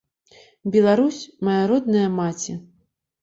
Беларусь, мая родная маці!